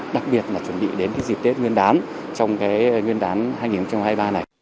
đặc biệt là chuẩn bị đến dịp tết nguyên đán trong nguyên đán hai nghìn hai mươi ba này